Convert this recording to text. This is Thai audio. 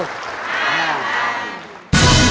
ค่ะ